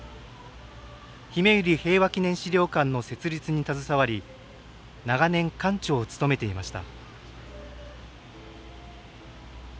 ひめゆり平和祈念資料館の設立に携わり長年、館長を務めていました。